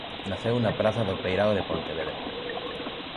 Naceu na praza do Peirao de Pontevedra.